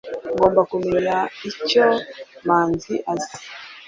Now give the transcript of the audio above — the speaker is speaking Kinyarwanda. Ngomba kumenya icyo manzi azi